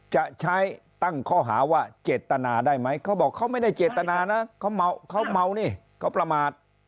จะใช้ตั้งข้อหาว่าเจตนาได้ไหมเขาบอกเขาไม่ได้เจตนานะเขาเมานี่เขาประมาท